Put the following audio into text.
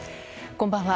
こんばんは。